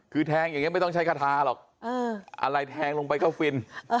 คือแทงอย่างนี้ไม่ต้องใช้คาทาหรอกอะไรแทงลงไปก็ฟิน